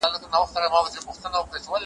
زما یې خټه ده اخیستې د خیام د خُم له خاورو `